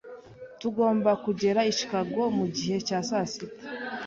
Tugomba kugera i Chicago mugihe cya sasita.